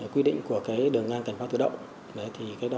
quy định của đường ngang cảnh báo tự động